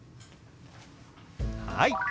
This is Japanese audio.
はい。